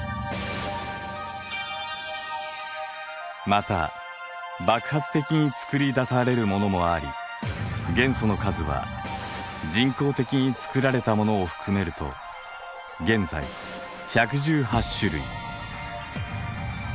また爆発的に作りだされるものもあり元素の数は人工的に作られたものを含めると現在１１８種類。